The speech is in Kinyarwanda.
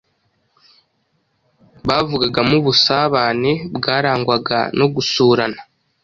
Bavugagamo ubusabane bwarangwaga no gusurana,